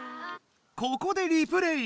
ここでリプレー！